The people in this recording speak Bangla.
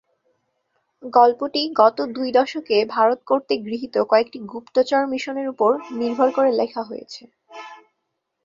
গল্পটি গত দুই দশকে ভারত কর্তৃক গৃহীত কয়েকটি গুপ্তচর মিশনের উপর নির্ভর করে লেখা হয়েছে।